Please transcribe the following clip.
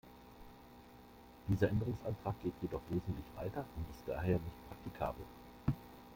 Dieser Änderungsantrag geht jedoch wesentlich weiter und ist daher nicht praktikabel.